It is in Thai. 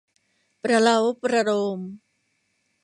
ประเล้าประโลม